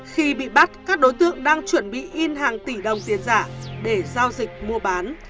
khi bị bắt các đối tượng đang chuẩn bị in hàng tỷ đồng tiền giả để giao dịch mua bán